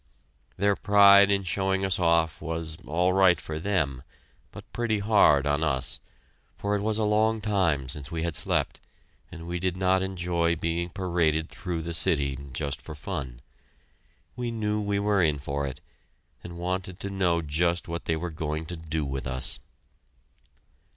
Their pride in showing us off was "all right for them," but pretty hard on us, for it was a long time since we had slept, and we did not enjoy being paraded through the city just for fun. We knew we were in for it, and wanted to know just what they were going to do with us.